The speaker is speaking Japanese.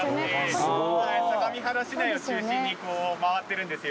相模原市内を中心に回ってるんですよ。